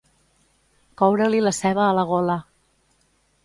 Coure-li la ceba a la gola.